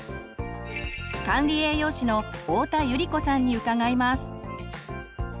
管理栄養士の太田百合子さんに伺います。